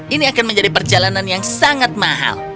ini akan menjadi perjalanan yang sangat mahal